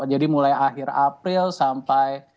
jadi mulai akhir april sampai